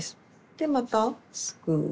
でまたすくう。